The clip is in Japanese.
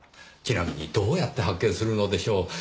ちなみにどうやって発見するのでしょう？